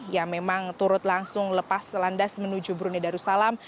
yang memang turut langsung lepas landas menuju brunei darussalam